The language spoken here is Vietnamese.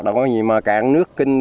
đâu có gì mà cạn nước kinh